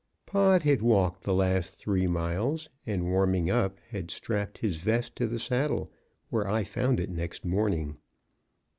Pod had walked the last three miles, and warming up, had strapped his vest to the saddle, where I found it next morning.